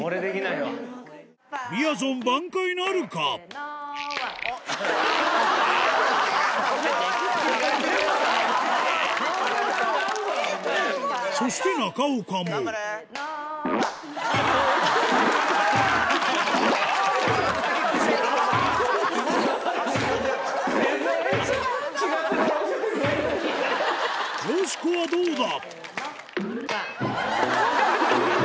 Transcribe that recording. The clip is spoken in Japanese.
よしこはどうだ？